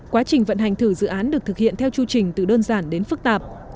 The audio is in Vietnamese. quá trình vận hành thử dự án được thực hiện theo chưu trình từ đơn giản đến phức tạp